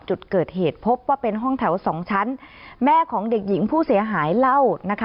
จุดเกิดเหตุพบว่าเป็นห้องแถว๒ชั้นแม่ของเด็กหญิงผู้เสียหายเล่า